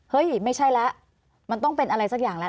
ไม่ใช่แล้วมันต้องเป็นอะไรสักอย่างแล้ว